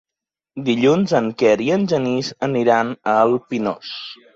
Dilluns en Quer i en Genís aniran al Pinós.